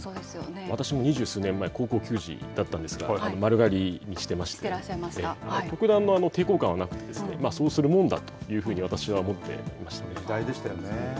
私も二十数年前高校球児だったんですが丸刈りにしていまして特段、抵抗感はなくてそうするもんだというふうに時代でしたよね。